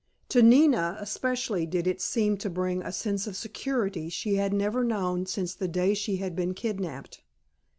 To Nina especially did it seem to bring a sense of security she had never known since the day she had been kidnapped.